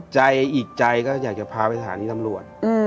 ใจอีกใจก็อยากจะพาไปสถานีตำรวจ